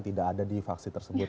tidak ada di vaksin tersebut